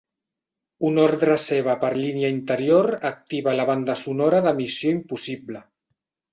Una ordre seva per línia interior activa la banda sonora de Missió impossible.